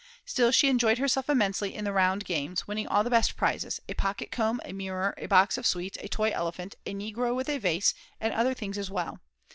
Still, she enjoyed herself immensely in the round games, winning all the best prizes, a pocket comb and mirror, a box of sweets, a toy elephant, a negro with a vase, and other things as well.